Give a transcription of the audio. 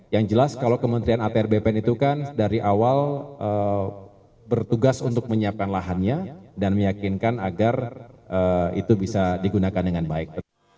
yang jelas kalau kementerian atr bpn itu kan dari awal bertugas untuk menyiapkan lahannya dan meyakinkan agar itu bisa digunakan dengan baik